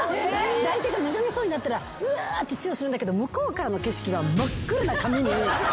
相手が目覚めそうになったらうってチューするんだけど向こうからの景色は。